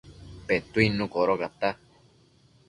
Petuidnu codocata